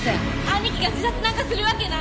兄貴が自殺なんかするわけない！